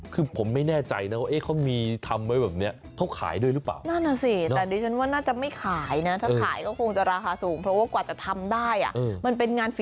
คือผมไม่แน่ใจนะว่าเขามีทำไว้แบบนี้เขาขายด้วยหรือเปล่า